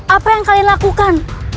apa yang kalian lakukan